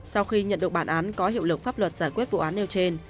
sau khi nhận được bản án có hiệu lực pháp luật giải quyết vụ án nêu trên